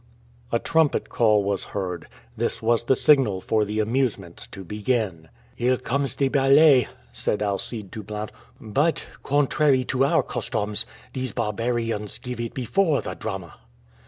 A trumpet call was heard. This was the signal for the amusements to begin. "Here comes the ballet," said Alcide to Blount; "but, contrary to our customs, these barbarians give it before the drama."